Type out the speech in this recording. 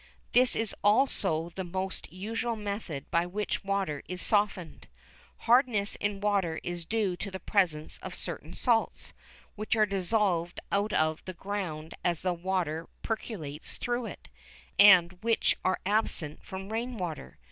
This is also the most usual method by which water is softened. Hardness in water is due to the presence of certain salts which are dissolved out of the ground as the water percolates through it, and which are absent from rain water.